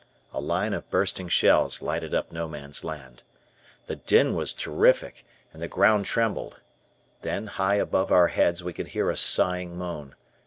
A line of bursting shells lighted up No Man's Land. The din was terrific and the ground trembled. Then, high above our heads we could hear a sighing moan.